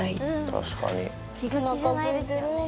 確かに。